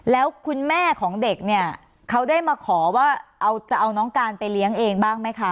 แล้วคุณแม่ของเด็กเนี่ยเขาได้มาขอว่าจะเอาน้องการไปเลี้ยงเองบ้างไหมคะ